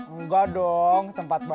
enggak dong tempat barat